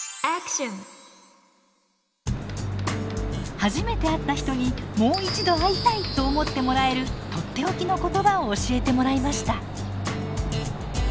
初めて会った人にもう一度会いたいと思ってもらえるとっておきの言葉を教えてもらいました。